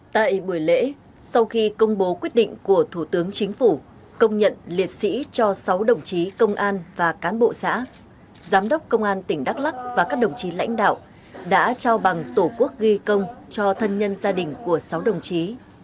tại buổi lễ sau khi công bố quyết định của thủ tướng chính phủ công nhận liệt sĩ cho sáu đồng chí công an và cán bộ xã giám đốc công an tỉnh đắk lắc và các đồng chí lãnh đạo đã trao bằng tổ quốc ghi công cho thân nhân gia đình của sáu đồng chí